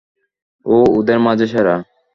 ও ওদের মাঝে সেরা।